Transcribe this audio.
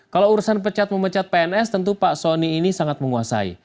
kalau urusan pecat memecat pns tentu pak soni ini sangat menguasai